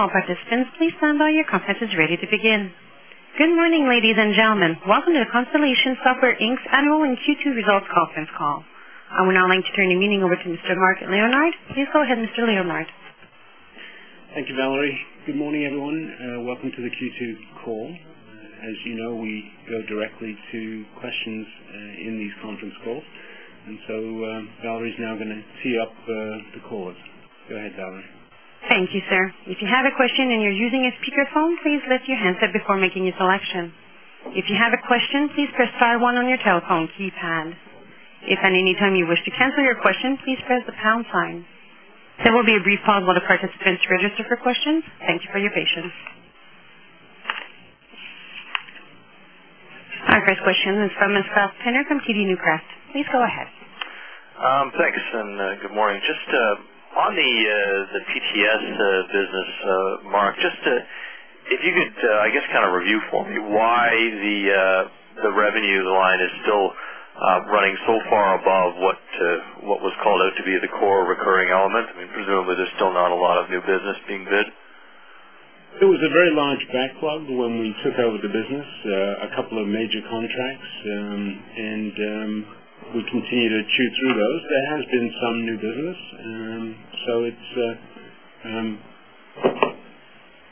Good morning, ladies and gentlemen. Welcome to the Constellation Software Inc. Annual and Q2 results conference call. I would now like to turn the meeting over to Mr. Marc Leonard. Please go ahead, Mr. Leonard. Thank you, Valerie. Good morning, everyone. Welcome to the Q2 call. As you know, we go directly to questions in these conference calls. And so Valerie is now going to tee up the callers. Go ahead, Valerie. Thank you, sir. Our first question is from Scott Penner from TD Newcross. Please go ahead. Thanks and good morning. Just on the PTS business, Mark, just if you could, I guess, kind of review for me why the revenue line is still running so far above what was called out to be the core recurring element? I mean presumably there's still not a lot of new business being bid? There was a very large backlog when we took over the business, a couple of major contracts and we continue to chew through those. There has been some new business. So it's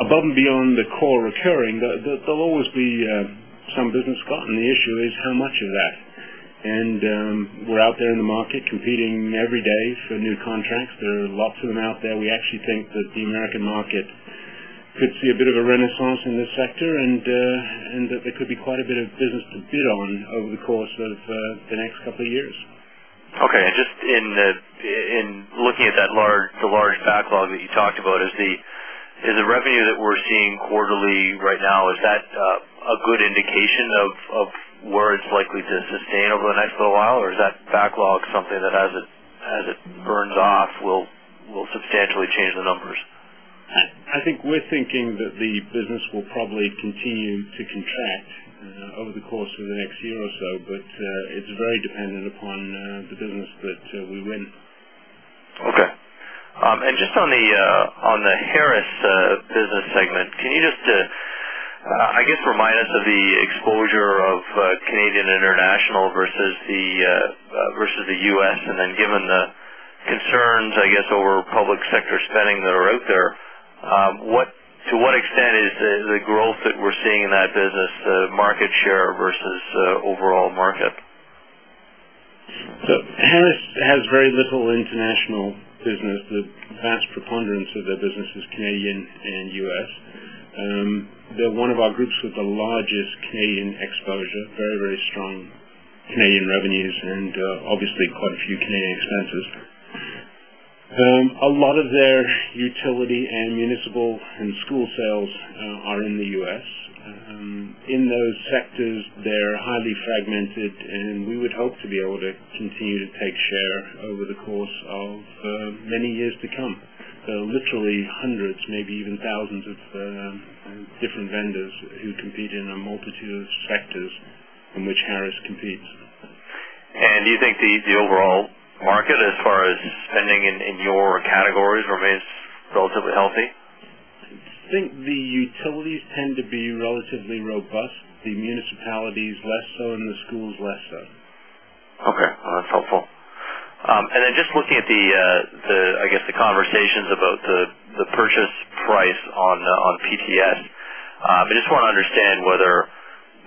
above and beyond the core recurring, there'll always be some business competing every day for new contracts. There are lots of them out there. We actually think that the American market could see a bit of a renaissance in this sector and that there could be quite a bit of business to bid on over the course of the next couple of years. Okay. And just in looking at that large the large backlog that you talked about, is the revenue that we're seeing quarterly right now, is that a good indication of where it's likely to sustain over the next little while? Or is that backlog something that as it burns off will substantially change the numbers? I think we're thinking that the business will probably continue to contract over the course of the next year or so, but it's very dependent upon the business that we win. Okay. And just on the Harris business segment, can you just, I guess, remind us of the exposure of Canadian International versus the U. S? And then given the concerns, I guess, over public sector spending that are out there, what to what extent is the growth that we're seeing in that business market share versus overall market? So, Harris has very little international business. The vast preponderance of their business is Canadian and U. S. They're one of our groups with the largest Canadian exposure, very, very strong Canadian revenues and obviously quite a few Canadian expenses. A lot of their utility and municipal and school sales are in the U. S. In those sectors, they're highly fragmented, and we would hope to be able to continue to take share over the course of many years to come. There are literally 100, maybe even 1000 of different vendors who compete in a multitude of sectors in which Harris competes. And do you think the overall market as far as spending in your categories remains relatively healthy? I think the utilities tend to be relatively robust, the municipalities less so and the schools less so. Okay. That's helpful. And then just looking at the, I guess, the conversations about the purchase price on PTS, I just want to understand whether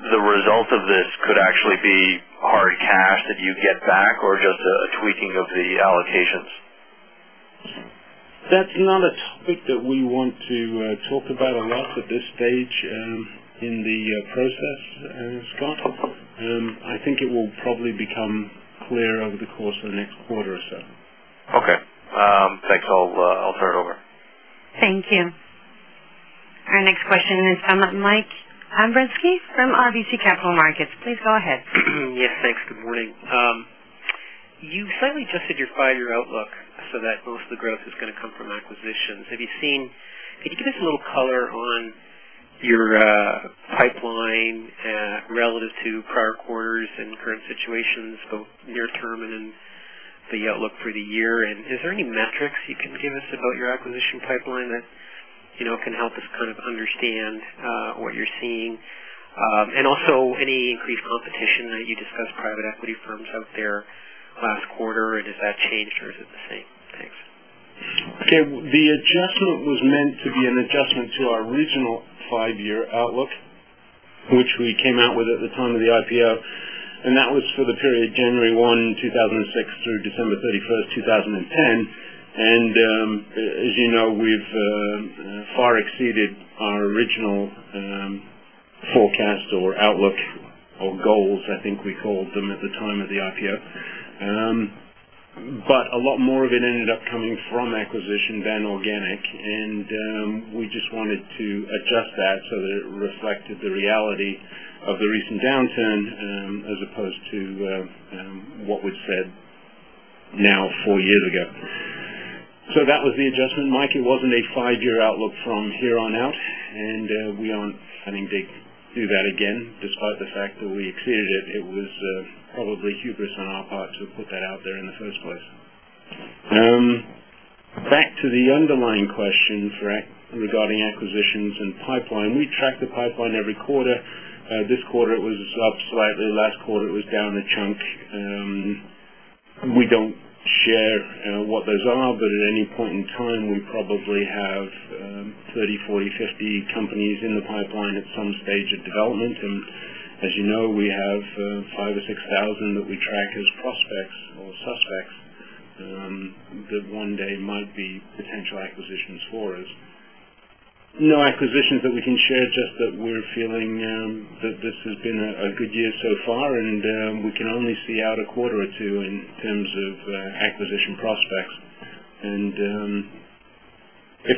the result of this could actually be hard cash that you get back or just a tweaking of the allocations? That's not a topic that we want to talk about a lot at this stage in the process, Scott. I think it will probably become clear over the course of the next quarter or so. Okay. Thanks. I'll turn it over. Thank you. Our next question is from Mike Abramsky from RBC Capital Markets. Please go ahead. Yes, thanks. Good morning. You slightly adjusted your 5 year outlook so that most of the growth is going to come from acquisitions. Have you seen could you give us a little color on your pipeline relative to prior quarters and current situations both near term and in the outlook for the year? And is there any metrics you can give us about your acquisition pipeline that can help us kind of understand what you're seeing? And also any increased competition that you discussed private equity firms out there last quarter? And has that changed or is it the same? Thanks. Okay. The adjustment was meant to be an adjustment to our regional 5 year outlook, which we came out with at the time of the IPO, and that was for the period January 1, 2006 through December 31, 20 10. And as you know, we've far exceeded our original forecast or outlook or goals, I think we called them at the time of the IPO. But a lot more of it ended up coming from acquisition than organic. And we just wanted to adjust that so that it reflected the reality of the recent downturn as opposed to what we've said now 4 years ago. So that was the adjustment, Mike. It wasn't a 5 year outlook from here on out. And we aren't having to do that again despite the fact that we exceeded it. It was probably hubris on our part to put that out there in the first place. Back to the underlying question regarding acquisitions and pipeline, we track the pipeline every quarter. This quarter, it was up slightly. Last quarter, it was down a chunk. We don't share what those are, but at any point in time, we probably have 30, 40, 50 companies in the pipeline at some stage of development. And as you know, we have 5000 or 6000 that we track as prospects or suspects that one day might be potential acquisitions for us. No acquisitions that we can share, just that we're feeling that this has been a good year so far and we can only see out a quarter or 2 in terms of acquisition prospects. And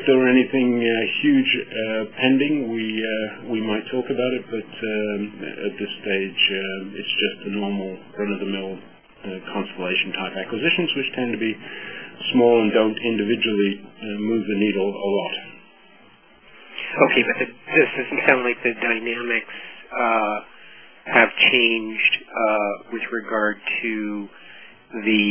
if there were anything huge pending, we might talk about it. But at this stage, it's just a normal run of the mill constellation type acquisitions, which tend to be small and don't individually move the needle a lot. Okay. But it just doesn't sound like the dynamics have changed with regard to the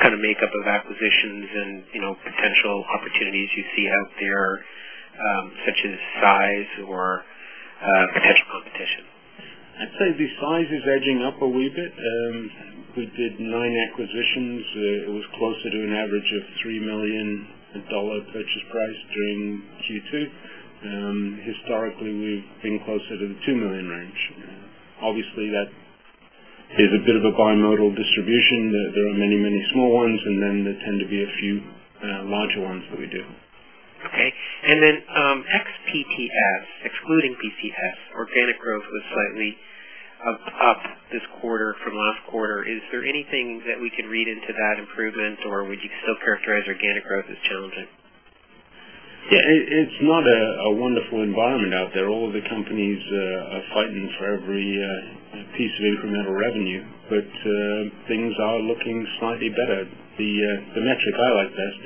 kind of makeup of acquisitions and potential opportunities you see out there such as size or potential competition? I'd say the size is edging up a wee bit. We did 9 acquisitions. It was closer to an average of $3,000,000 purchase price during Q2. Historically, we've been closer to the $2,000,000 range. Obviously, that is a bit of a bimodal distribution. There are many, many small ones and then there tend to be a few larger ones that we do. Okay. And then ex PTS, excluding PCS, organic growth was slightly up this quarter from last quarter. Is there anything that we can read into that improvement or would you still characterize organic growth as challenging? Yes. It's not a wonderful environment out there. All of the companies are fighting for every piece of incremental revenue, but things are looking slightly better. The metric I like best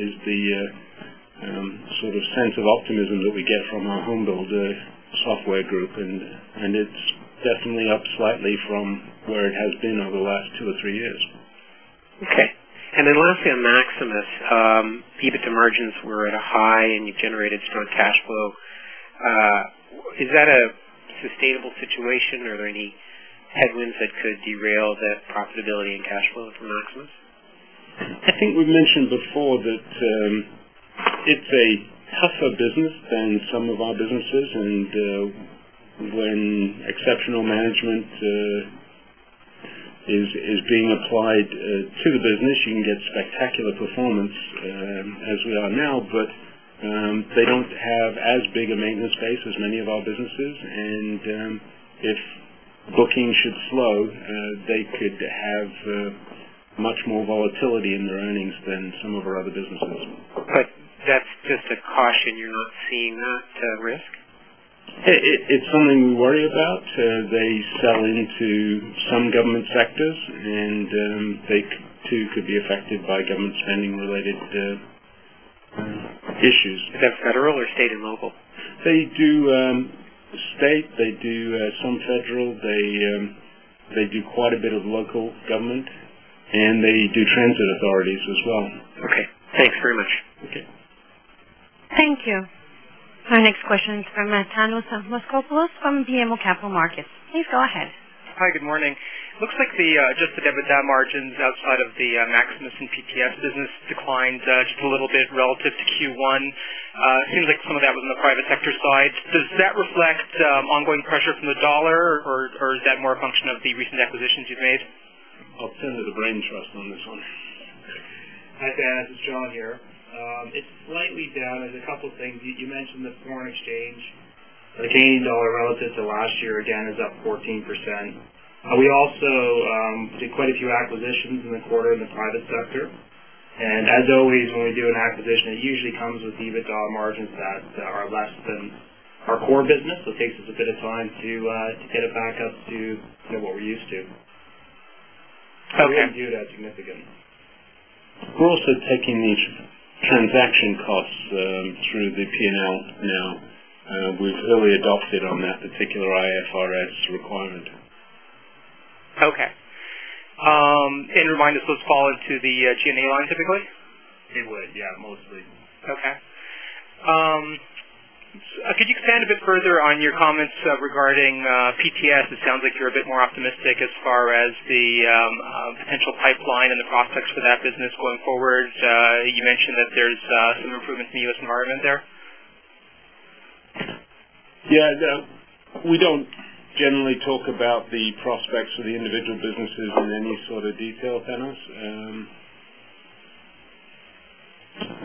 is the sort of sense of optimism that we get from our homebuilder software group. And it's definitely up slightly from where it has been over the last 2 or 3 years. Okay. And then lastly on MAXIMUS, EBITDA margins were at a high and you generated strong cash flow. Is that a sustainable situation? Are there any headwinds that could derail that profitability and cash flow for MAXIMUS? I think we've mentioned before that it's a tougher business than some of our businesses. And when exceptional management is being applied to the business, you can get spectacular performance as we are now, but they maintenance base as many of our businesses. And if bookings should slow, they could have much more volatility in their earnings than some of our other businesses. But that's just a caution you're not seeing that risk? It's something we worry about. They sell into some government sectors and they too could be affected by government spending related issues. Is that federal or state and local? They do state. They do some federal. They do quite a bit of local government, and they do transit authorities as well. Our next question is from Thanos Moschopoulos from BMO Capital Markets. Looks like the adjusted EBITDA margins outside of the MAXIMUS and PTS business declined just a little bit relative to Q1. It seems like some of that was in the private sector side. Does that reflect ongoing pressure from the dollar? Or is that more a function of the recent acquisitions you've made? I'll turn to the Brain Trust on this one. Hi, Thad. This is John here. It's slightly down. There's a couple of things. You mentioned the foreign exchange, the Canadian dollar relative to last year again is up 14%. We also did quite a few acquisitions in the quarter in the private sector. And as always, when we do an acquisition, it usually comes with EBITDA margins that are less than our core business. So it takes us a bit of time to get it back up to what we're used to. We don't do that significantly. We're also taking these transaction costs through the P and L now. We've early adopted on that particular IFRS requirement. Okay. And remind us, let's call it to the G and A line typically? It would, yes, mostly. Okay. Could you expand a bit further on your comments regarding PTS? It sounds like you're a bit more optimistic as far as the potential pipeline and the prospects for that business going forward. You mentioned that there's some improvements in the U. S. Environment there? Yes. We don't generally talk about the prospects of the individual businesses in any sort of detail, Thanos.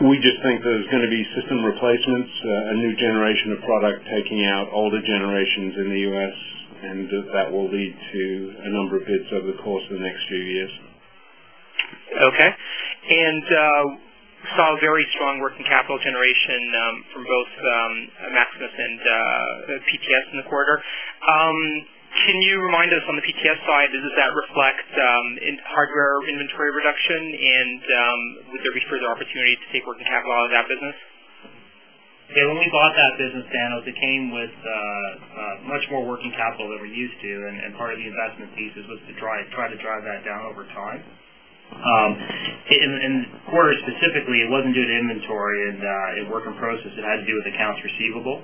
We just think there's going to be system replacements, a new generation of product taking out older generations in the U. S. And that will lead to a number of hits over the course of the next few years. Okay. And saw very strong working capital generation from both MAXIMUS and PTS in the quarter. Can you remind us on the PTS side, does that reflect hardware inventory reduction? And would there be further opportunity to take working capital out of that business? Yes. When we bought that business, Thanos, it came with much more working capital than we're used to. And part of the investment thesis was to try to drive that down over time. In the quarter specifically, it wasn't due to inventory and work in process. It had to do with accounts receivable.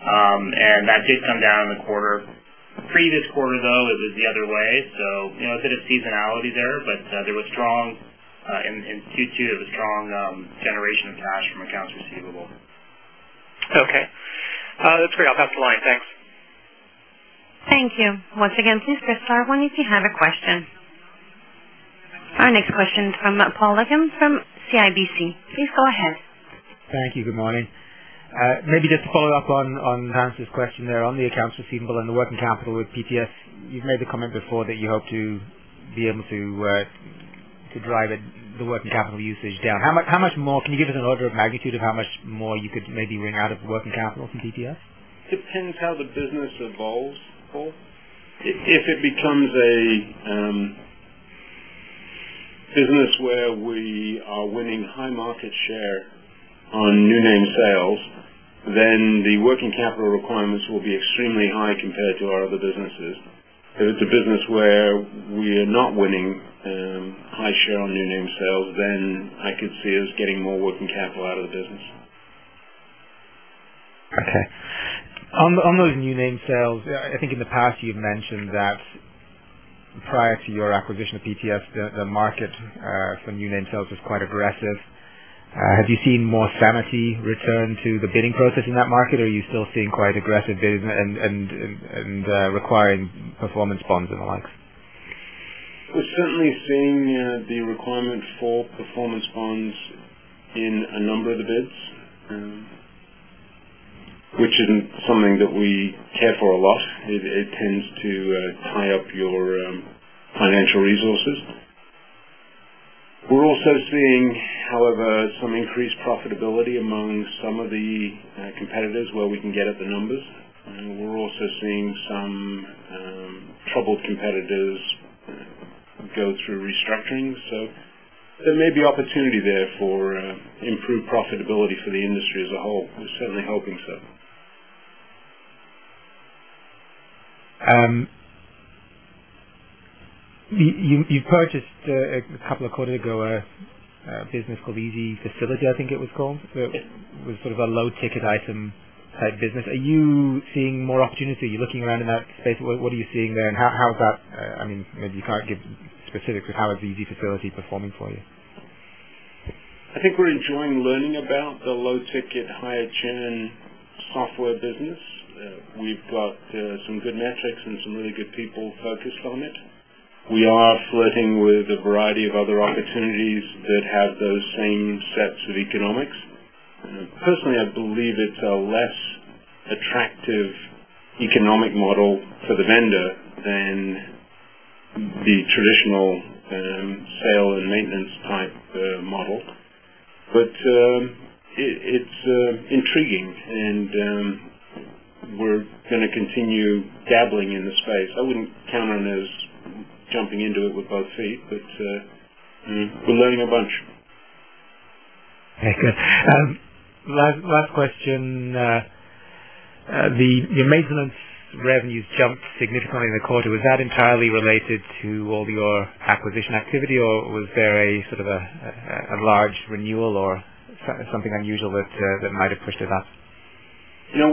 And that did come down in the quarter. Previous quarter, though, it was the other way. So a bit of seasonality there, but there was strong, in Q2, there was strong generation of cash from accounts receivable. Our next question is from Paul Leggam from CIBC. Please go ahead. Thank you. Good morning. Maybe just to follow-up on Hans' question there on the accounts receivable and the working capital with PTS. You've made the comment before that you hope to be able to drive the working capital usage down. How much more can you give us an order of magnitude of how much more you could maybe ring out of working capital from DTS? Depends how the business evolves, Paul. If it becomes a business where we are winning high market share on new name sales, then the working capital requirements will be extremely high compared to our other businesses. It's a business where we are not winning high share on new name sales, then I could see us getting more working capital out of the business. Okay. On those name sales, I think in the past you've mentioned that prior to your acquisition of PTS, the market for new name sales was quite requiring performance bonds and the likes? We're certainly seeing the requirement for performance bonds in a number of the bids, which isn't something that we care for a lot. It tends to tie up your financial resources. We're also seeing, however, some increased profitability among some of the competitors where we can get at the numbers. And we're also seeing some troubled competitors go through restructuring. So there may be opportunity there for improved profitability for the industry as a whole. We're certainly hoping so. You purchased a couple of quarters ago a business called Easy Facility, I think it was called. It was sort of a low ticket item type business. Are you seeing more opportunity? Are you looking around in that space? What are you seeing there? And how is that I mean, maybe you can't get specifics of how is the EZ facility performing for you? I think we're enjoying learning about the ticket, higher churn software business. We've got some good metrics and some really good people focused on it. We are flirting with a variety of other opportunities that have those same sets of economics. Personally, I believe it's a less attractive economic model for the vendor than the traditional sale and maintenance type model. But it's intriguing, and we're going to continue dabbling in the space. I wouldn't count on those jumping into it with both feet, but we're learning a bunch. Okay. Last question. The maintenance revenues jumped significantly in the quarter. Was that entirely related to all your acquisition activity? Or was there a sort of a large renewal or something unusual that might have pushed it up?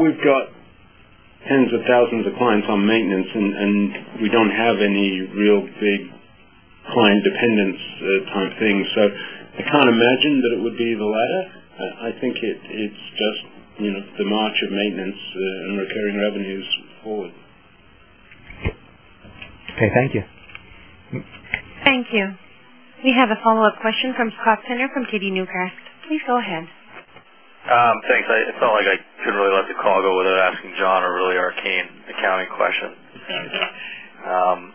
We've got tens of thousands of clients on maintenance and we don't have any real big client dependence time thing. So I can't imagine that it would be the latter. I think it's just the march of maintenance and recurring revenues forward. Thank you. We have a follow-up question from Scott Tenner from KB Newcrest. Please go ahead. Thanks. I felt like I really like the call go without asking John a really arcane accounting question.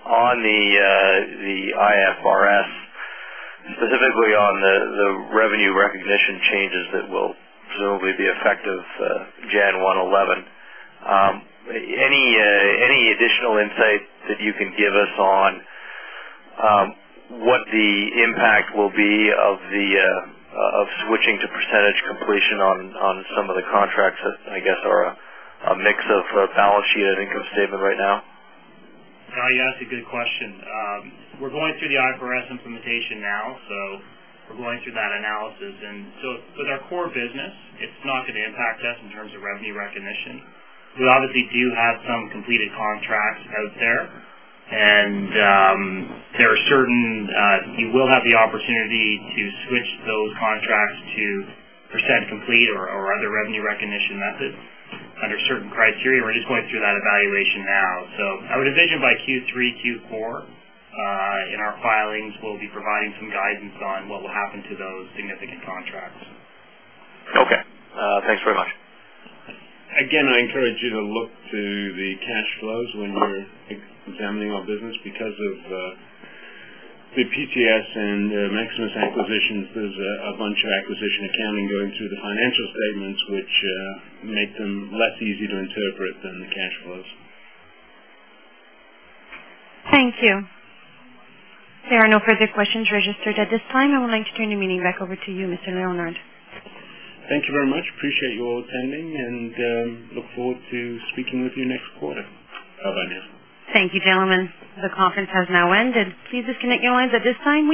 On the IFRS, specifically on the revenue recognition changes that will presumably be effective Jan 1, 2011. Any additional insight that you can give us on what the impact will be of switching to percentage completion on some of the contracts that I guess are a mix of balance sheet and income statement right now? Yes, it's a good question. We're going through the IFRS implementation now. So we're going through that analysis. And so with our core business, And there are certain you will have the opportunity to switch those contracts to percent complete or other revenue recognition methods under certain criteria. We're just going through that evaluation now. So I would envision by Q3, Q4, in our filings, we'll be providing some guidance on what will happen to those significant contracts. Again, I encourage you to look to the cash flows when you're examining our business because of the PTS and the MAXIMUS acquisitions. There's a bunch of acquisition accounting going through the financial statements, which make them less easy to interpret than the cash flows. Leonard. Thank you very much. Appreciate you all attending and Leonard. Thank you very much. Appreciate you all attending and look forward to speaking with you next quarter. Thank you, gentlemen. The conference has now ended. Please disconnect your lines at this time.